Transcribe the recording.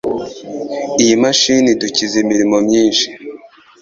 Iyi mashini idukiza imirimo myinshi.